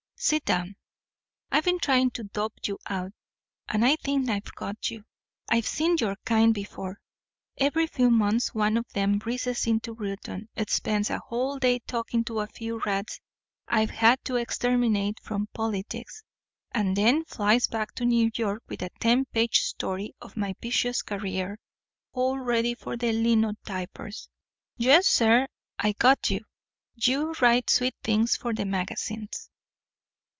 "Sit down. I've been trying to dope you out, and I think I've got you. I've seen your kind before. Every few months one of 'em breezes into Reuton, spends a whole day talking to a few rats I've had to exterminate from politics, and then flies back to New York with a ten page story of my vicious career all ready for the linotypers. Yes, sir I got you. You write sweet things for the magazines."